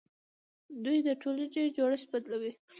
دوی د ټولنې جوړښت بدلوي.